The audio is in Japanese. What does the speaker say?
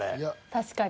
確かに。